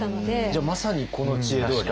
じゃあまさにこの知恵どおり。